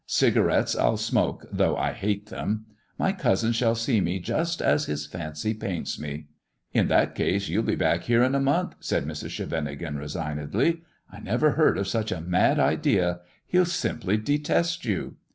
Cigarettes I'll smoke, though I hate them. My cousin shall see me just as his fancy paints me." " In that case you'll be back here in a month," said Mrs. Scheveningen, resignedly. " I never heard of such a mad idea. He'll simply detest you."